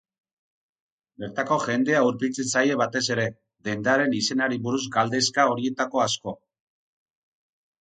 Bertako jendea hurbiltzen zaie batez ere, dendaren izenari buruz galdezka horietako asko.